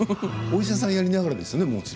お医者さんやりながらですよね？